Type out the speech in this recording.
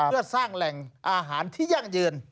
เพื่อสร้างแหล่งอาหารที่ยั่งยืน